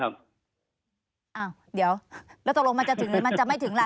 อ้าวเดี๋ยวแล้วตรงนี้มันจะถึงหรือไม่ถึงล่ะ